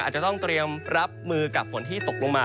อาจจะต้องเตรียมรับมือกับฝนที่ตกลงมา